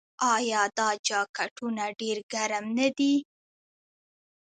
آیا دا جاکټونه ډیر ګرم نه دي؟